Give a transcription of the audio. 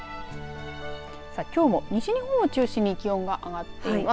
さあ、きょうも西日本を中心に気温が上がっています。